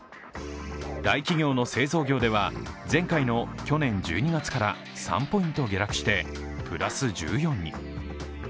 大企業の製造業では前回の去年１２月から３ポイント下落してプラス１４に。